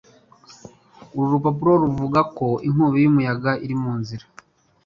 Uru rupapuro ruvuga ko inkubi y'umuyaga iri mu nzira.